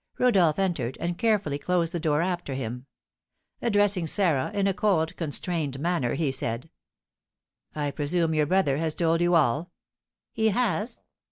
Rodolph entered, and carefully closed the door after him. Addressing Sarah in a cold, constrained manner, he said: "I presume your brother has told you all?" "He has!"